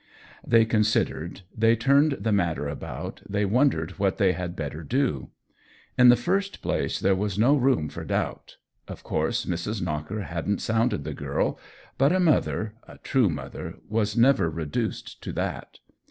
They considered, they turned the matter about, they wondered what they had better do. In the first place there was no room for doubt ; of course Mrs. Knocker hadn't sounded the girl, but a mother, a THE WHEEL OF TIME 21 true mother, was never reduced to that.